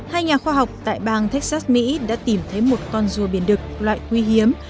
hai nhà khoa học tại bang texas mỹ đã tìm thấy một con rùa biển đực loại quý hiếm